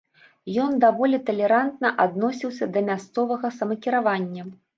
Ён даволі талерантна адносіўся да мясцовага самакіравання.